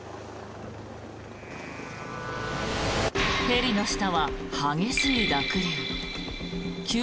ヘリの下は激しい濁流。